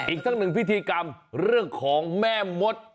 อีกทั้งหนึ่งพิธีกรรมเรื่องของแม่มด